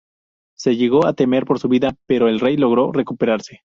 Se llegó a temer por su vida pero el rey logró recuperarse.